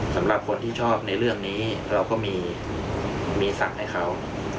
สำหรับคนที่ชอบในเรื่องนี้เราก็มีสั่งให้เขา